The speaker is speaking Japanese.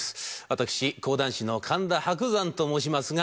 私講談師の神田伯山と申しますが。